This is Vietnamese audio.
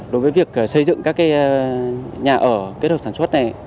đối với việc xây dựng các nhà ở kết hợp sản xuất này